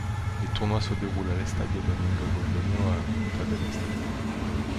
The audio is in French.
Les tournois se déroulent à l'Estadio Domingo Burgueño à Punta del Este.